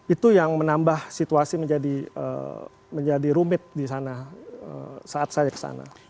itu yang menambah situasi menjadi rumit di sana saat saya kesana